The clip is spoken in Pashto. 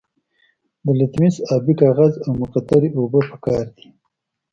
د لتمس ابي کاغذ او مقطرې اوبه پکار دي.